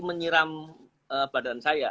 menyerang badan saya